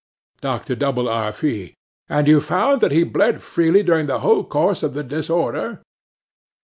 'DR. W. R. FEE.—And you found that he bled freely during the whole course of the disorder?